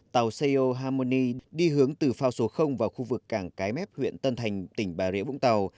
tàu seyo harmony đi hướng từ phao số vào khu vực cảng cái mép huyện tân thành tỉnh bà rĩa vũng tàu